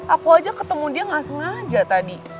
aku aja ketemu dia gak sengaja tadi